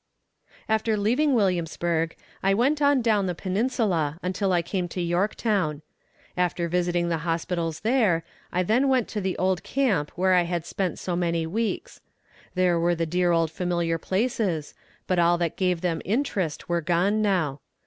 After leaving Williamsburg, I kept on down the Peninsula until I came to Yorktown. After visiting the hospitals there, I then went to the old camp where I had spent so many weeks. There were the dear old familiar places, but all that gave them interest were gone now.